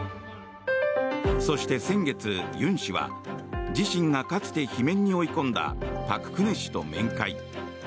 そして先月、尹氏は自身がかつて罷免に追い込んだ朴槿惠氏と面会。